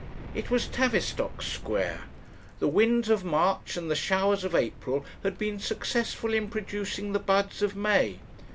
"It was Tavistock Square. The winds of March and the showers of April had been successful in producing the buds of May."